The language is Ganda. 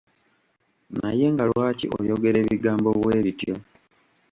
Naye nga lwaki oyogera ebigambo bwebityo.